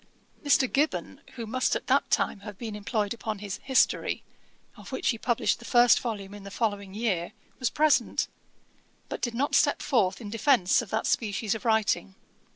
Mr. Gibbon, who must at that time have been employed upon his History, of which he published the first volume in the following year, was present; but did not step forth in defence of that species of writing.